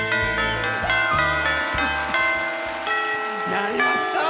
やりました！